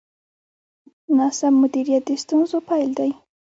ناسم مدیریت د ستونزو پیل دی.